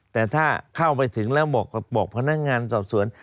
แต่ถ้าเข้าไปถึงแล้วบอกพนักงานสอบสวน